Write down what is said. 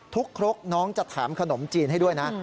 ครกน้องจะถามขนมจีนให้ด้วยนะ